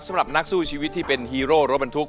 ที่จะสู้ชีวิตที่เป็นฮีโร่โรบันทุกข์